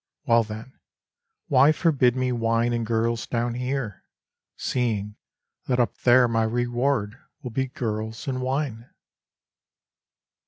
Well then, why forbid me wine and girls down here, Seeing that up there my reward will be girls and wine